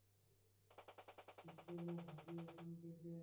চলো ভাগি এখান থেকে।